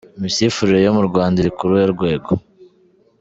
Imisifurire yo mu Rwanda iri ku ruhe rwego?.